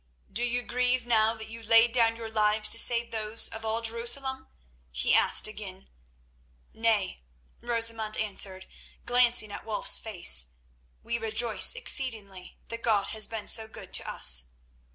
"Do you grieve now that you laid down your lives to save those of all Jerusalem?" he asked again. "Nay," Rosamund answered, glancing at Wulf's face; "we rejoice exceedingly that God has been so good to us."